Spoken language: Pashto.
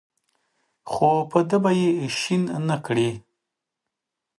خو په ده به یې شین نکړې.